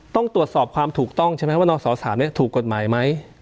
ต้องตรวจสอบความถูกต้องใช่ไหมว่านศ๓ถูกกฎหมายไหม